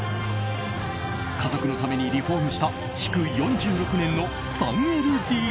家族のためにリフォームした築４６年の３ＬＤＫ。